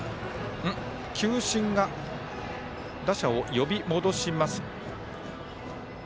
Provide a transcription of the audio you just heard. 球審が打者を呼び戻します。